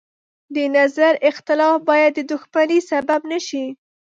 د نظر اختلاف باید د دښمنۍ سبب نه شي.